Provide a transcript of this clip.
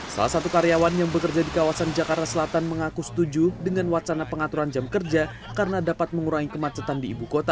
salah satu karyawan yang bekerja di kawasan jakarta selatan mengaku setuju dengan wacana pengaturan jam kerja karena dapat mengurangi kemacetan di ibu kota